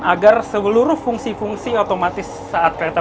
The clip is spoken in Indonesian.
agar seluruh fungsi fungsi otomatis ini bisa berjalan